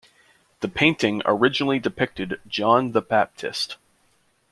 The painting originally depicted John the Baptist.